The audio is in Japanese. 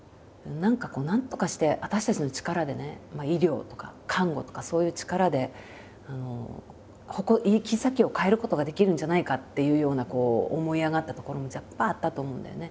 何かこうなんとかして私たちの力でね医療とか看護とかそういう力で行き先を変えることができるんじゃないかっていうような思い上がったところもあったと思うんだよね。